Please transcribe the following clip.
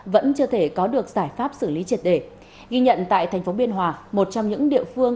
vẫn chưa thể có được giải pháp xử lý triệt đề ghi nhận tại thành phố biên hòa một trong những địa phương